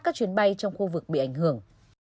các chuyến bay trong khu vực bị ảnh hưởng